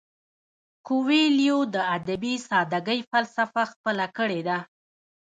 کویلیو د ادبي ساده ګۍ فلسفه خپله کړې ده.